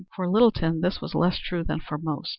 For Littleton this was less true than for most.